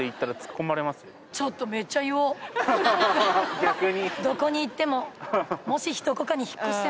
逆に。